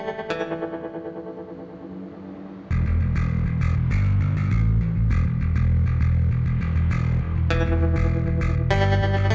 masih di kota aja